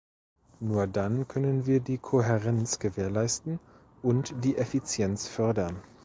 Nur dann können wir die Kohärenz gewährleisten und die Effizienz fördern.